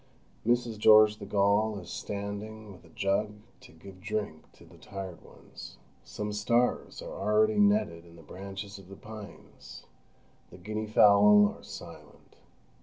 Mrs. George the Gaul is standing with a jug to give drink to the tired ones. Some stars are already netted in the branches of the pines; the Guinea fowl are silent.